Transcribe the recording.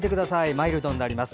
マイルドになります。